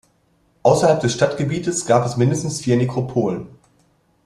Außerhalb des Stadtgebietes gab es mindestens vier Nekropolen.